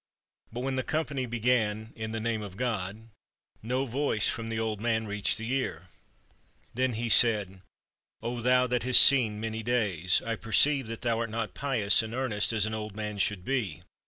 But when the company began, "In the name of God," no voice from the old man reached the ear. Then he said :" O thou that hast seen many days, I perceive that thou art not pious and earnest as an old man should be.